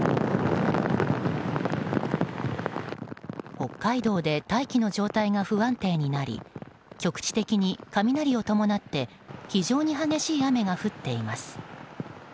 北海道で大気の状態が不安定になり局地的に雷を伴って非常に激しい雨が降っています。